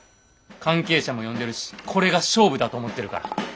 関係者も呼んでるしこれが勝負だと思ってるから。